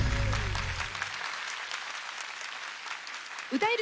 「歌える！